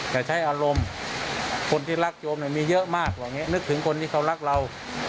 แต่ใช้อารมณ์คนที่รักโจมมีเยอะมากเหล่านี้นึกถึงคนที่เขารักเรา